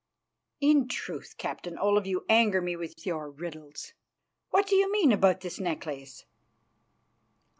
"In truth, Captain Olaf, you anger me with your riddles. What do you mean about this necklace?"